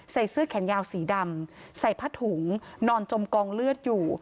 เสื้อแขนยาวสีดำใส่ผ้าถุงนอนจมกองเลือดอยู่